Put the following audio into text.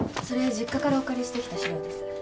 それ実家からお借りしてきた資料です。